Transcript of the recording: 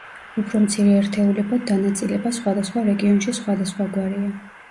უფრო მცირე ერთეულებად დანაწილება სხვადასხვა რეგიონში სხვადასხვაგვარია.